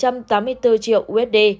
cho ba dự án fdi và sáu sáu triệu usd